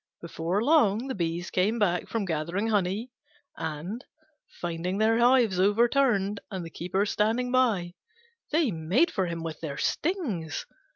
Before long the bees came back from gathering honey, and, finding their hives overturned and the Keeper standing by, they made for him with their stings.